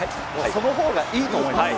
そのほうがいいと思います。